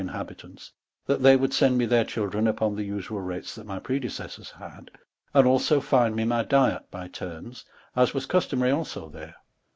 inhabitants, that they would send tno their children upon the usuall rat«a that my predecessors had, and also find me ray dyet by tnrus, as was customary alao there.